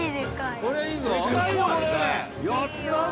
やったぜ！